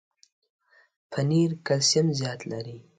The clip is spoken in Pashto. پنېر کلسیم زیات لري.